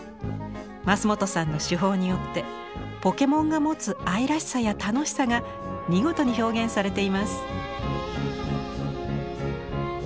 桝本さんの手法によってポケモンが持つ愛らしさや楽しさが見事に表現されています。